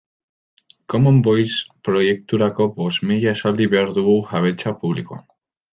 Common Voice proiekturako bost mila esaldi behar dugu jabetza publikoan